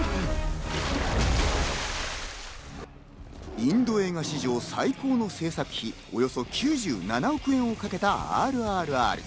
インド映画史上最高の制作費、およそ９７億円をかけた『ＲＲＲ』。